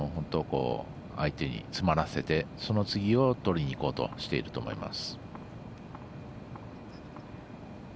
相手に詰まらせてその次をとりにいこうとしていると思います。